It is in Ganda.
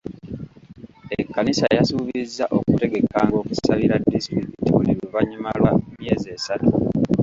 Ekkanisa yasuubizza okutegekanga okusabira disitulikiti buli luvannyuma lwa -myezi esatu.